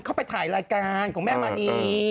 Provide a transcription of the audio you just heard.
เขาไปถ่ายรายการของแม่มณี